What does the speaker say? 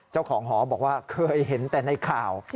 เจ้าของหอบอกว่าเคยเห็นแต่ในข่าว